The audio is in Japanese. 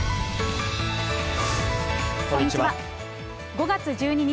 ５月１２日